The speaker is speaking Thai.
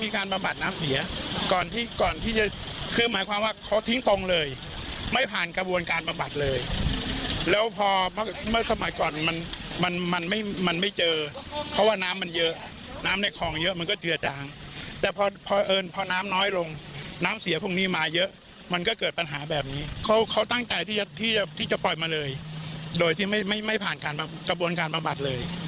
เขาตั้งใจที่จะปล่อยมาเลยโดยที่ไม่ผ่านกระบวนการบำบัดเลย